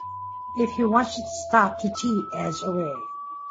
If he wants you to stop to tea, edge away.